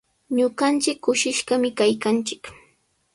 Ñuqanchik kushishqami kaykanchik.